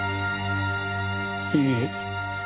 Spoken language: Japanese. いいえ。